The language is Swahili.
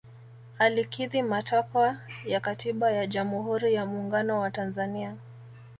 alikidhi matakwa ya katiba ya jamuhuri ya muungano wa tanzania